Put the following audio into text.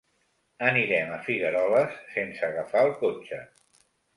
Anirem a Figueroles sense agafar el cotxe.